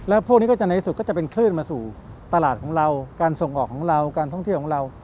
แล้วพวกนี้ก็จะในสุดก็จะเป็นคลื่นมาสู่ตลาดของเราการส่งออกของเราการท่องเที่ยวของเรา